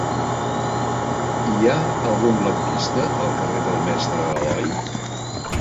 Hi ha algun lampista al carrer del Mestre Aloi?